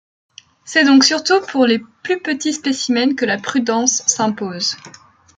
C'est donc surtout pour les plus petits spécimens que la prudence s'impose.